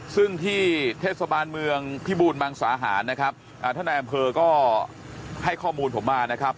ซึ่งที่เทศบาลเมืองพิบูรมังสาหารนะครับท่านนายอำเภอก็ให้ข้อมูลผมมานะครับ